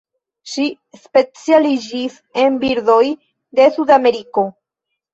Ŝi specialiĝis en birdoj de Sudameriko.